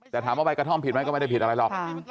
แต่ถามว่าใบกระท่อมผิดไหมก็ไม่ได้ผิดอะไรหรอก